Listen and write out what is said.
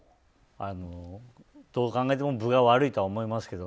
どう考えても分が悪いとは思いますけど。